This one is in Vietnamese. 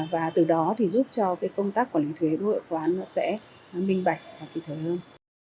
và từ đó thì giúp cho cái công tác quản lý thuế của hộ khoán nó sẽ minh bạch và kỹ thuật hơn